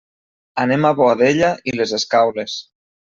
Anem a Boadella i les Escaules.